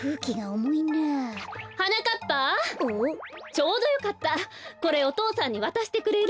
ちょうどよかったこれお父さんにわたしてくれる？